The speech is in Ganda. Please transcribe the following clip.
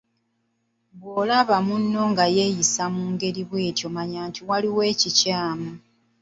Bw'olaba munno nga yeeyisa mu ngeri bw’etyo mannya nti waliwo ekikyamu.